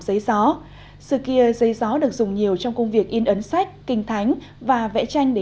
giấy gió sự kia giấy gió được dùng nhiều trong công việc in ấn sách kinh thánh và vẽ tranh để